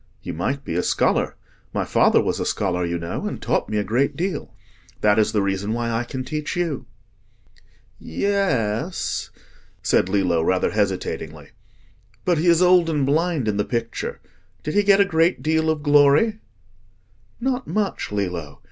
You might be a scholar. My father was a scholar, you know, and taught me a great deal. That is the reason why I can teach you." "Yes," said Lillo, rather hesitatingly. "But he is old and blind in the picture. Did he get a great deal of glory?" "Not much, Lillo.